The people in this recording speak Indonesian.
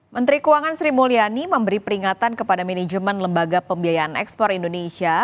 menteri keuangan sri mulyani memberi peringatan kepada manajemen lembaga pembiayaan ekspor indonesia